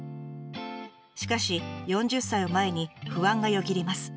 しかし４０歳を前に不安がよぎります。